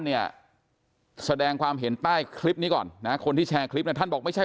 เนี่ยแสดงความเห็นใต้คลิปนี้ก่อนนะคนที่แชร์คลิปเนี่ยท่านบอกไม่ใช่